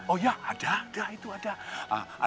oh ya ada nggak itu ada